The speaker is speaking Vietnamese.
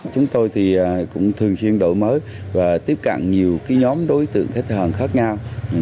chúng tôi thì cũng thường xuyên đổi mới và tiếp cận nhiều nhóm đối tượng khách hàng khác nhau